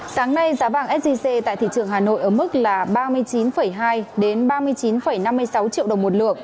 sáng nay giá vàng sgc tại thị trường hà nội ở mức là ba mươi chín hai ba mươi chín năm mươi sáu triệu đồng một lượng